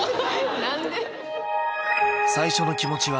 何で？